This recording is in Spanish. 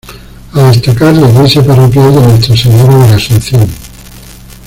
A destacar la iglesia parroquial de Nuestra Señora de la Asunción.